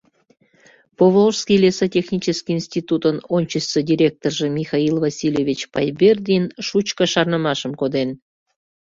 Поволжский лесотехнический институтын ончычсо директоржо Михаил Васильевич Пайбердин шучко шарнымашым коден: